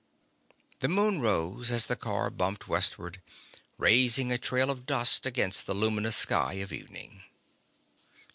The moon rose as the car bumped westward, raising a trail of dust against the luminous sky of evening.